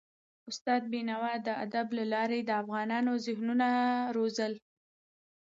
استاد بينوا د ادب له لارې د افغانونو ذهنونه روزل.